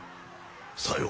さよう。